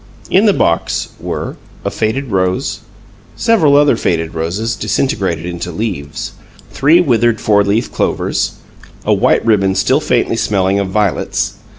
In the box were: A faded rose. Several other faded roses, disintegrated into leaves. Three withered "four leaf clovers." A white ribbon still faintly smelling of violets.